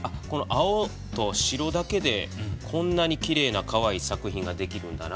青と白だけでこんなにきれいなかわいい作品ができるんだなという。